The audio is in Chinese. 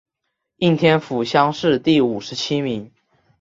应天府乡试第五十七名。